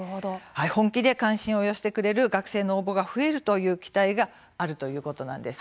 本気で関心を寄せてくれる学生の応募が増える期待があるというのです。